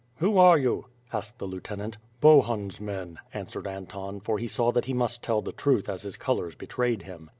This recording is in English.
"Who are you?" asked the Lieutenant. "Bohun's men," answered Anton, for he saw that he must tell the truth as his colors betrayed him.